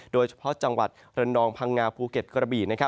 โดยเฉพาะจังหวัดระนองพังงาภูเก็ตกระบี่